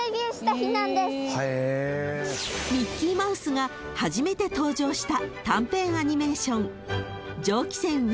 ［ミッキーマウスが初めて登場した］